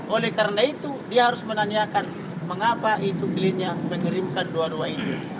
oleh karena itu dia harus menanyakan mengapa itu kelindian mengirimkan doa doa itu